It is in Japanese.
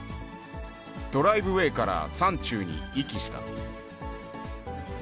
ドライブウエーから山中に遺棄した。